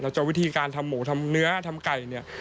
จะวิธีการทำหมูทำเนื้อทำไก่เนี่ย